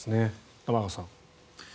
玉川さん。